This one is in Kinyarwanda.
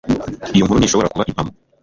iyo nkuru ntishobora kuba impamo